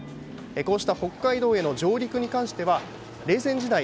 こうした北海道への上陸に関しては冷戦時代